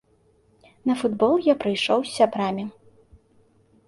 На футбол я прыйшоў з сябрамі.